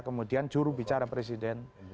kemudian jurubicara presiden